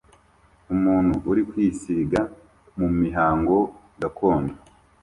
Umuntu uri kwisiga mumihango gakondo